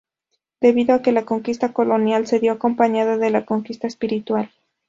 Debido a que la conquista colonial se dio acompañada de la conquista espiritual.